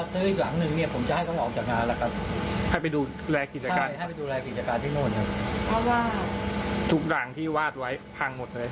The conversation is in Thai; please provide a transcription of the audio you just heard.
ทุกด่างที่วาดไว้พังหมดเลย